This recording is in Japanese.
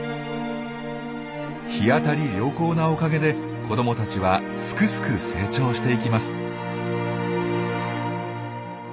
日当たり良好なおかげで子どもたちはすくすく成長していきます。